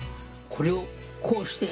これをこうして！」。